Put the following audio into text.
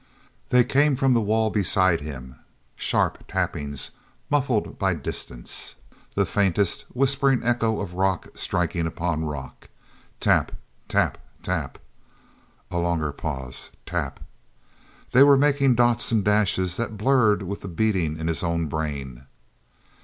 They came from the wall beside him, sharp tappings muffled by distance, the faintest whispering echo of rock striking upon rock. Tap tap ... tap. A longer pause.... Tap. They were making dots and dashes that blurred with the beating in his own brain.